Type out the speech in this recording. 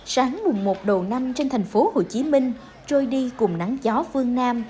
sáng mùng một đầu năm trên thành phố hồ chí minh trôi đi cùng nắng gió phương nam